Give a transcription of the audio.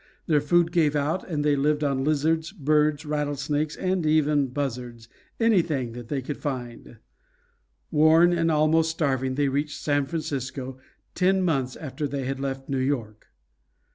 Their food gave out, and they lived on lizards, birds, rattlesnakes, and even buzzards, anything they could find. Worn and almost starving they reached San Francisco, ten months after they had left New York.